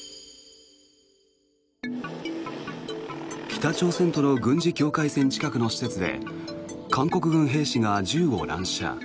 北朝鮮との軍事境界線近くの施設で韓国軍兵士が銃を乱射。